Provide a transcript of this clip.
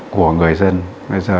của người dân bây giờ